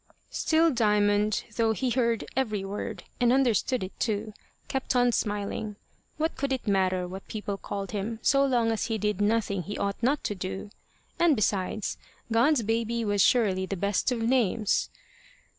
Still Diamond, though he heard every word, and understood it too, kept on smiling. What could it matter what people called him, so long as he did nothing he ought not to do? And, besides, God's baby was surely the best of names!